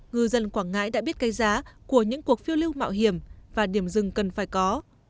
ngư dân quảng ngãi đã biết cây giá của những cuộc phiêu lưu mạo hiểm và điểm dừng cần phải có